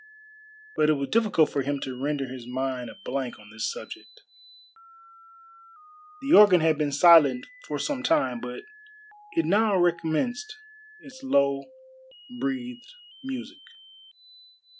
But it was difficult for him to render his mind a blank on this subject. The organ had been silent for some time, but it now recommenced its low breathed music.